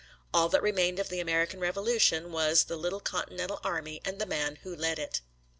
All that remained of the American Revolution was the little Continental army and the man who led it.